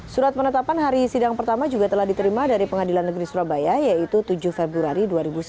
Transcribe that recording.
surat penetapan hari sidang pertama juga telah diterima dari pengadilan negeri surabaya yaitu tujuh februari dua ribu sembilan belas